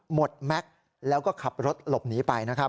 แม็กซ์แล้วก็ขับรถหลบหนีไปนะครับ